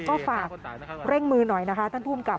ก็ฝากเร่งมือหน่อยนะคะท่านภูมิกับ